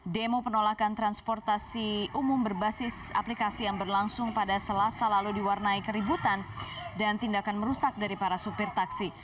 demo penolakan transportasi umum berbasis aplikasi yang berlangsung pada selasa lalu diwarnai keributan dan tindakan merusak dari para supir taksi